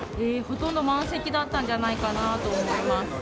ほとんど満席だったんじゃないかなと思います。